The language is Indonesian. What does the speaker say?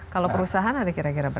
kalau perusahaan ada kira kira